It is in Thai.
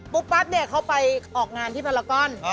ปั๊บเนี่ยเขาไปออกงานที่พารากอน